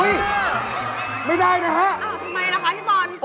ทำไมล่ะคะพี่บอล